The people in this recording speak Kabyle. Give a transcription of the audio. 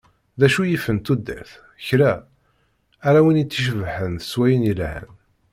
D acu yifen tudert? Kra! Ala win i tt-icebḥen s wayen yelhan.